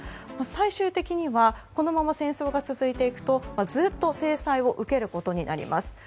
最終的にはこのまま戦争が続いていくとずっと制裁を受けることになります。